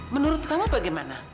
menurut kamu bagaimana